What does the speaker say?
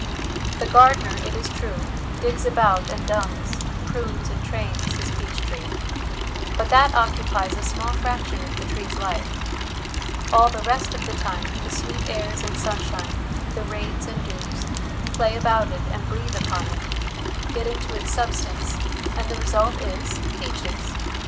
The gardener, it is true, ' digs about and dungs,' prunes and trains, his peach tree ; but that occupies a small fraction of the tree's life : all the rest of the time the sweet airs and sunshine, the rains and dews, play about it and breathe upon it, get into its substance, and the result is peaches.